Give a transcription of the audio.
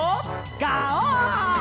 ガオー！